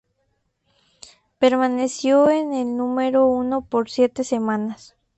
Permaneció en el número uno por siete semanas.